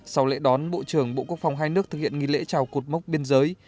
sau lễ đón bộ trưởng bộ quốc phòng hai nước thực hiện nghi lễ trào cột mốc biên giới